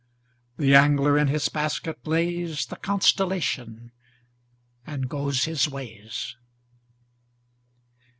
The angler in his basket lays The constellation, and goes his ways.